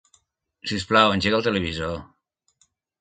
Si us plau, engega el televisor.